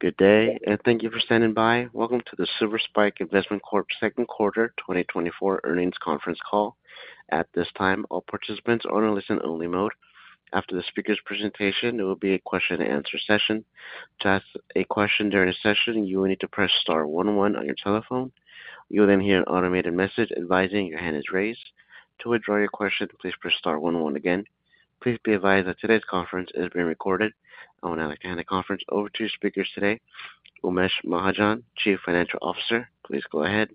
Good day, and thank you for standing by. Welcome to the Silver Spike Investment Corp's second quarter 2024 earnings conference call. At this time, all participants are in a listen-only mode. After the speaker's presentation, there will be a question-and-answer session. To ask a question during the session, you will need to press star one one on your telephone. You will then hear an automated message advising your hand is raised. To withdraw your question, please press star one one again. Please be advised that today's conference is being recorded. I want to hand the conference over to speakers today. Umesh Mahajan, Chief Financial Officer. Please go ahead.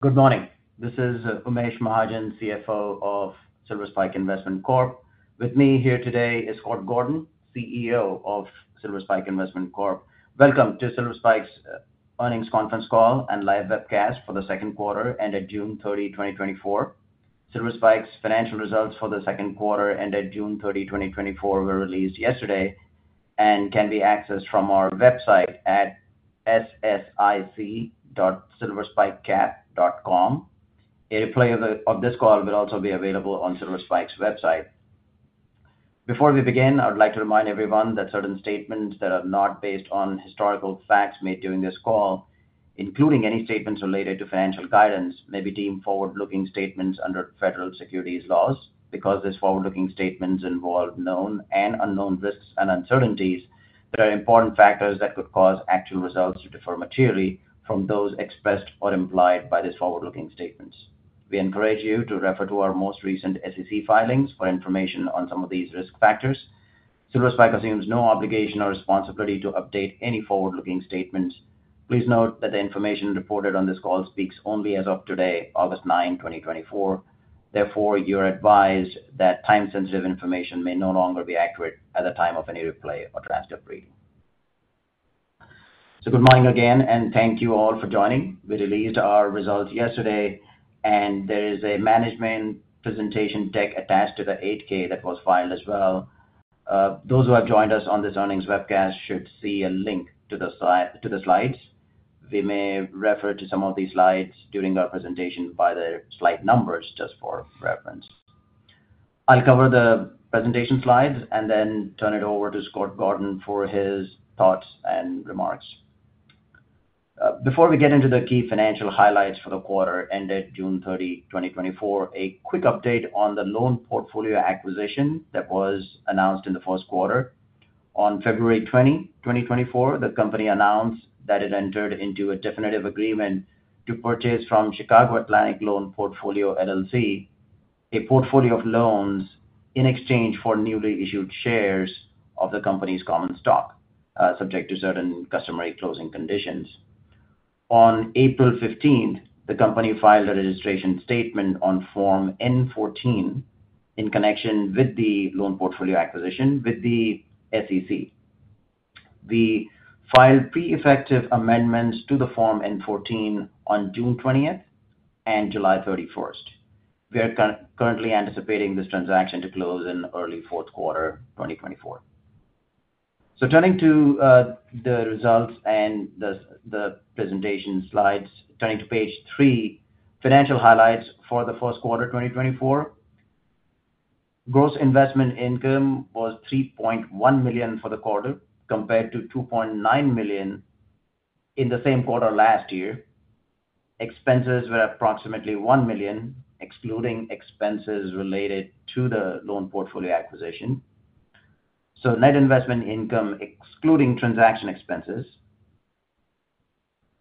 Good morning. This is Umesh Mahajan, CFO of Silver Spike Investment Corp. With me here today is Scott Gordon, CEO of Silver Spike Investment Corp. Welcome to Silver Spike's earnings conference call and live webcast for the second quarter ended June 30, 2024. Silver Spike's financial results for the second quarter ended June 30, 2024, were released yesterday and can be accessed from our website at ssic.silverspikecap.com. A replay of this call will also be available on Silver Spike's website. Before we begin, I would like to remind everyone that certain statements that are not based on historical facts made during this call, including any statements related to financial guidance, may be deemed forward-looking statements under federal securities laws. Because these forward-looking statements involve known and unknown risks and uncertainties, there are important factors that could cause actual results to differ materially from those expressed or implied by these forward-looking statements. We encourage you to refer to our most recent SEC filings for information on some of these risk factors. Silver Spike assumes no obligation or responsibility to update any forward-looking statements. Please note that the information reported on this call speaks only as of today, August 9, 2024. Therefore, you're advised that time-sensitive information may no longer be accurate at the time of any replay or transcript reading. So good morning again, and thank you all for joining. We released our results yesterday, and there is a management presentation deck attached to the 8-K that was filed as well. Those who have joined us on this earnings webcast should see a link to the slides. We may refer to some of these slides during our presentation by the slide numbers, just for reference. I'll cover the presentation slides and then turn it over to Scott Gordon for his thoughts and remarks. Before we get into the key financial highlights for the quarter ended June 30, 2024, a quick update on the loan portfolio acquisition that was announced in the first quarter. On February 20, 2024, the company announced that it entered into a definitive agreement to purchase from Chicago Atlantic Loan Portfolio, LLC, a portfolio of loans in exchange for newly issued shares of the company's common stock, subject to certain customary closing conditions. On April 15, the company filed a registration statement on Form N-14, in connection with the loan portfolio acquisition with the SEC. We filed pre-effective amendments to the Form N-14 on June 20th and July 31st. We are currently anticipating this transaction to close in early fourth quarter 2024. So turning to the results and the presentation slides. Turning to page three, financial highlights for the first quarter 2024. Gross investment income was $3.1 million for the quarter, compared to $2.9 million in the same quarter last year. Expenses were approximately $1 million, excluding expenses related to the loan portfolio acquisition. So net investment income, excluding transaction expenses,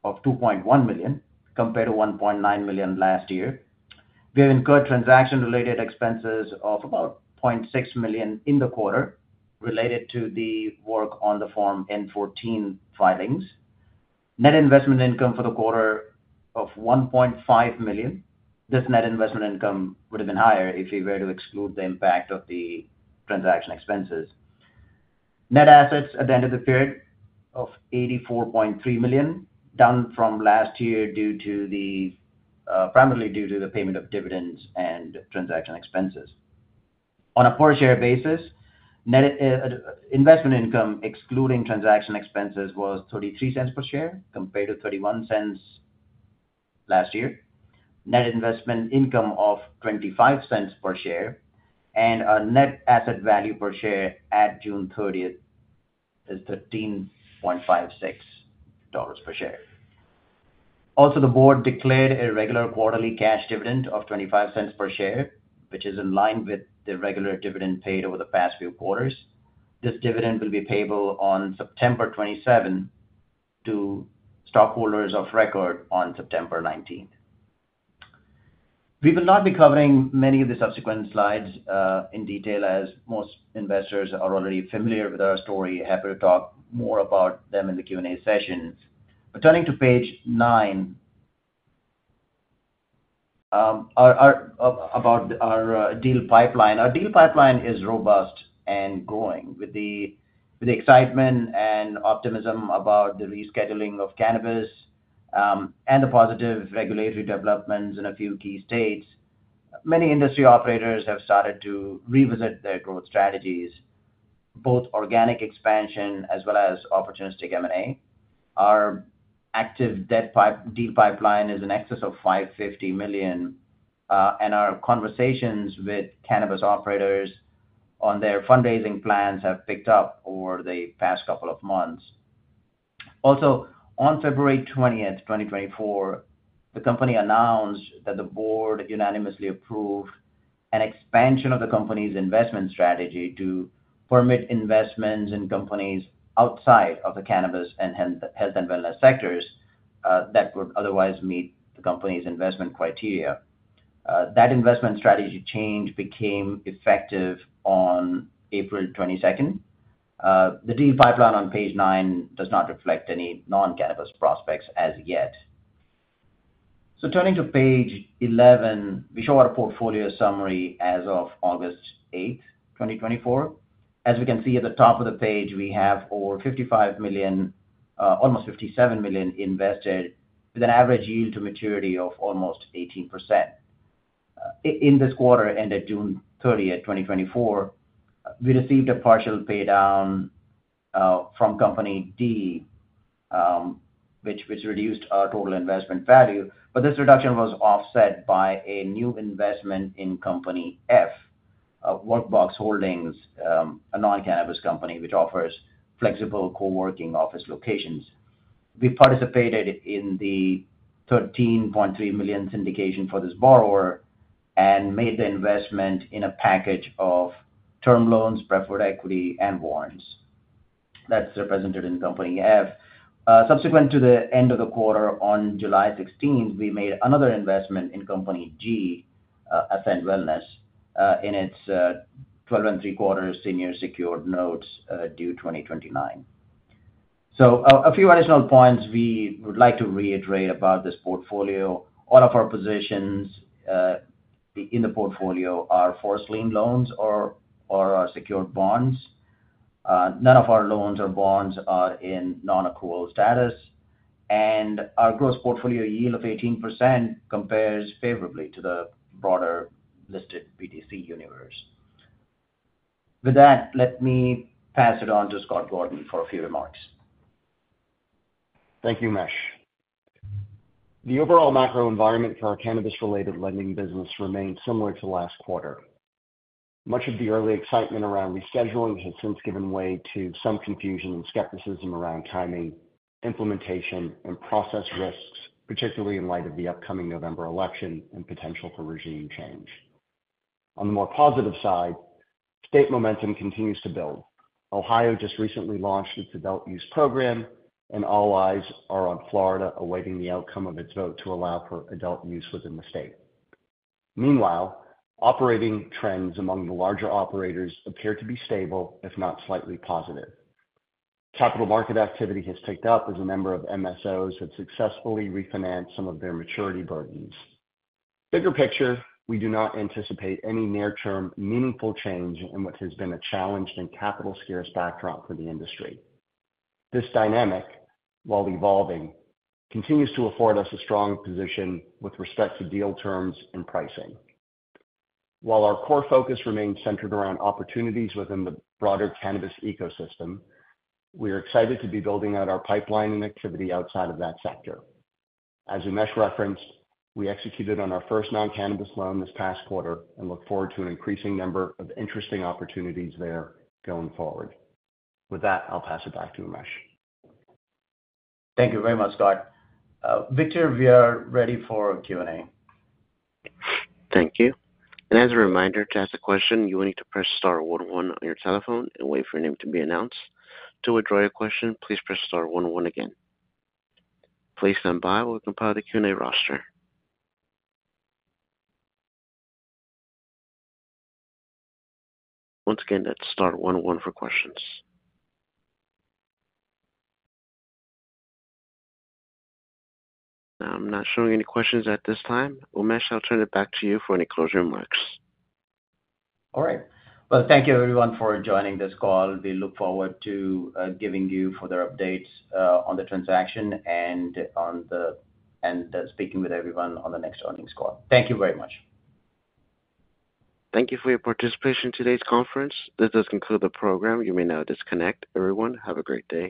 of $2.1 million, compared to $1.9 million last year. We have incurred transaction-related expenses of about $0.6 million in the quarter related to the work on the Form N-14 filings. Net investment income for the quarter of $1.5 million. This net investment income would have been higher if we were to exclude the impact of the transaction expenses. Net assets at the end of the period of $84.3 million, down from last year due to the, primarily due to the payment of dividends and transaction expenses. On a per-share basis, net investment income, excluding transaction expenses, was $0.33 per share, compared to $0.31 last year. Net investment income of $0.25 per share and a net asset value per share at June 30th is $13.56 per share. Also, the board declared a regular quarterly cash dividend of $0.25 per share, which is in line with the regular dividend paid over the past few quarters. This dividend will be payable on September 27 to stockholders of record on September 19. We will not be covering many of the subsequent slides in detail, as most investors are already familiar with our story. Happy to talk more about them in the Q&A session. But turning to page nine, about our deal pipeline. Our deal pipeline is robust and growing. With the excitement and optimism about the rescheduling of cannabis, and the positive regulatory developments in a few key states, many industry operators have started to revisit their growth strategies, both organic expansion as well as opportunistic M&A. Our active debt deal pipeline is in excess of $550 million. And our conversations with cannabis operators on their fundraising plans have picked up over the past couple of months. Also, on February 20th, 2024, the company announced that the board unanimously approved an expansion of the company's investment strategy to permit investments in companies outside of the cannabis and health and wellness sectors that would otherwise meet the company's investment criteria. That investment strategy change became effective on April 22nd. The deal pipeline on page nine does not reflect any non-cannabis prospects as yet. So turning to page 11, we show our portfolio summary as of August 8, 2024. As we can see at the top of the page, we have over $55 million, almost $57 million invested, with an average yield to maturity of almost 18%. In this quarter ended June 30th, 2024, we received a partial paydown from Company D, which reduced our total investment value. But this reduction was offset by a new investment in Company F, Workbox Holdings, a non-cannabis company which offers flexible co-working office locations. We participated in the $13.3 million syndication for this borrower and made the investment in a package of term loans, preferred equity, and warrants. That's represented in Company F. Subsequent to the end of the quarter, on July 16, we made another investment in Company G, Ascend Wellness, in its 12.75 senior secured notes due 2029. So, a few additional points we would like to reiterate about this portfolio. All of our positions in the portfolio are first-lien loans or are secured bonds. None of our loans or bonds are in non-accrual status, and our gross portfolio yield of 18% compares favorably to the broader listed BDC universe. With that, let me pass it on to Scott Gordon for a few remarks. Thank you, Umesh. The overall macro environment for our cannabis-related lending business remained similar to last quarter. Much of the early excitement around rescheduling has since given way to some confusion and skepticism around timing, implementation, and process risks, particularly in light of the upcoming November election and potential for regime change. On the more positive side, state momentum continues to build. Ohio just recently launched its adult use program, and all eyes are on Florida, awaiting the outcome of its vote to allow for adult use within the state. Meanwhile, operating trends among the larger operators appear to be stable, if not slightly positive. Capital market activity has picked up as a number of MSOs have successfully refinanced some of their maturity burdens. Bigger picture, we do not anticipate any near-term, meaningful change in what has been a challenged and capital-scarce backdrop for the industry. This dynamic, while evolving, continues to afford us a strong position with respect to deal terms and pricing. While our core focus remains centered around opportunities within the broader cannabis ecosystem, we are excited to be building out our pipeline and activity outside of that sector. As Umesh referenced, we executed on our first non-cannabis loan this past quarter and look forward to an increasing number of interesting opportunities there going forward. With that, I'll pass it back to Umesh. Thank you very much, Scott. Victor, we are ready for Q&A. Thank you. And as a reminder, to ask a question, you will need to press star one one on your telephone and wait for your name to be announced. To withdraw your question, please press star one one again. Please stand by while we compile the Q&A roster. Once again, that's star one one for questions. I'm not showing any questions at this time. Umesh, I'll turn it back to you for any closing remarks. All right. Well, thank you everyone for joining this call. We look forward to giving you further updates on the transaction and speaking with everyone on the next earnings call. Thank you very much. Thank you for your participation in today's conference. This does conclude the program. You may now disconnect. Everyone, have a great day.